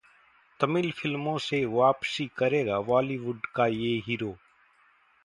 तमिल फिल्मों से वापसी करेगा बॉलीवुड का ये हीरो